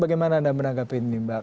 bagaimana anda menanggapi ini mbak